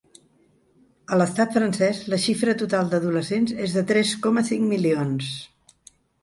A l’estat francès, la xifra total d’adolescents és de tres coma cinc milions.